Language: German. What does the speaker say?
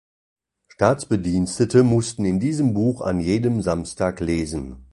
Staatsbedienstete mussten in diesem Buch an jedem Samstag lesen.